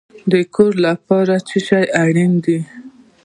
د کور لپاره څه شی اړین دی؟